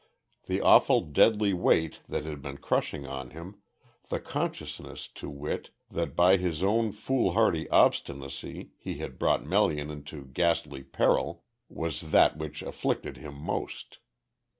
The awful deadly weight that had been crushing him, the consciousness to wit, that by his own foolhardy obstinacy, he had brought Melian into ghastly peril was that which afflicted him most.